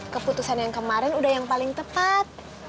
keputusan yang kemarin udah yang paling tepat